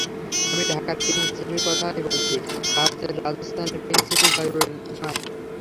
আমি ঢাকার পিংক সিটির কথাই বলছি, ভারতের রাজস্থানের পিংক সিটি জয়পুর নয়।